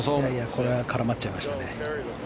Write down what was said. これは絡まっちゃいましたね。